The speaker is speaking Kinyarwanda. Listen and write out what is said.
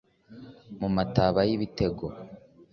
mu mataba y'ibitego